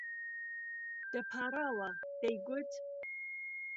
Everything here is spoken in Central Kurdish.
دەپاڕاوە، دەیگوت: